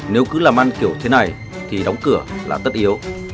nếu cứ làm ăn kiểu thế này thì đóng cửa là tất yếu